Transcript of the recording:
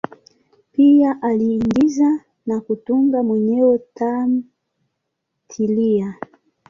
Pia aliigiza na kutunga mwenyewe tamthilia.